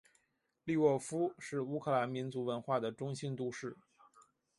利沃夫是乌克兰民族文化的中心都市。